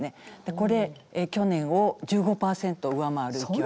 これ去年を１５％上回る勢い。